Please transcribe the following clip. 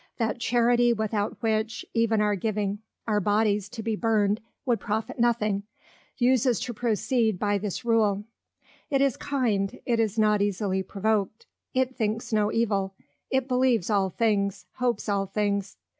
That Charity without which, even our giving our Bodies to be burned would profit nothing, uses to proceed by this Rule; It is kind, it is not easily provok'd, it thinks no Evil, it believes all things, hopes all things.